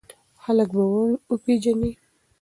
خلک به وپېژنې!